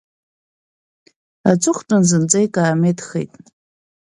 Аҵыхәтәан зынӡа икаамеҭхеит.